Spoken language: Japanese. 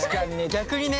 逆にね。